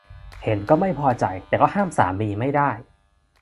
เห็นก็ไม่พอใจแต่ก็ห้ามสามีไม่ได้